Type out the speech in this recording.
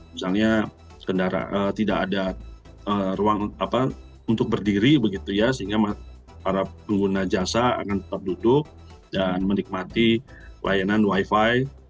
misalnya tidak ada ruang untuk berdiri begitu ya sehingga para pengguna jasa akan tetap duduk dan menikmati layanan wifi